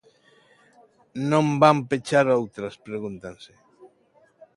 Non van pechar outras, pregúntanse.